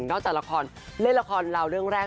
จากละครเล่นละครเราเรื่องแรก